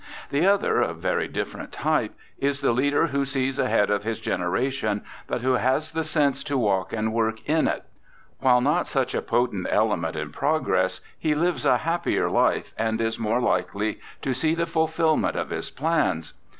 The other, a very different type, is the leader who sees ahead of his generation, but who has the sense to walk and work in it. While not such a potent element in progress, he lives a happier life, and is more likely to see the fulfilment of his plans.